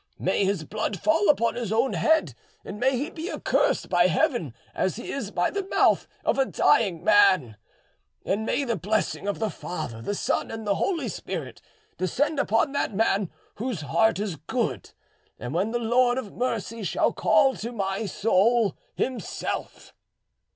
May his blood fall upon his own head, and may he be accursed by Heaven as he is by the mouth of a dying man; and may the blessing of the Father, the Son, and the Holy Spirit descend upon that man whose heart is good, when the Lord of mercy shall call to my soul Himself!"